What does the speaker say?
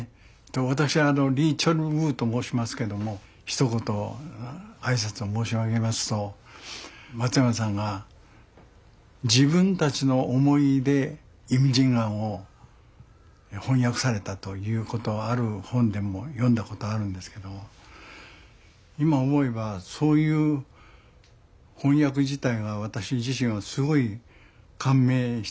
私リ・チョルウと申しますけどもひと言挨拶を申し上げますと松山さんが自分たちの思いで「イムジン河」を翻訳されたということはある本でも読んだことあるんですけど今思えばそういう翻訳自体が私自身はすごい感銘したと思うんですよね。